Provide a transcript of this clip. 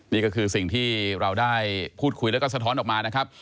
นี่ก็คือสิ่งที่เราได้พูดคุยแล้วก็สะท้อนออกมานะครับ